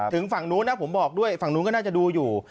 ฝั่งนู้นนะผมบอกด้วยฝั่งนู้นก็น่าจะดูอยู่